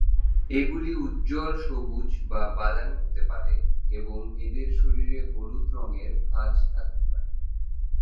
এগুলি উজ্জ্বল সবুজ বা বাদামী হতে পারে এবং এদের শরীরে হলুদ রঙের ভাঁজ থাকতে পারে।